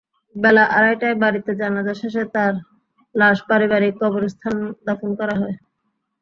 বেলা আড়াইটায় বাড়িতে জানাজা শেষে তাঁর লাশ পারিবারিক কবরস্থানে দাফন করা হয়।